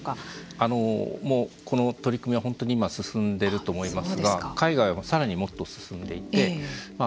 あのもうこの取り組みは本当に今進んでると思いますが海外は更にもっと進んでいてまあ